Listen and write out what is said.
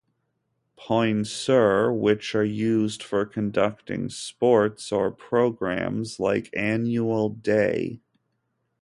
Poinsur which are used for conducting sports or programmes like Annual Day.